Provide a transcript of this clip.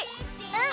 うん！